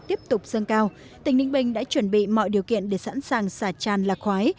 tiếp tục dâng cao tỉnh ninh bình đã chuẩn bị mọi điều kiện để sẵn sàng xả tràn lạc khoái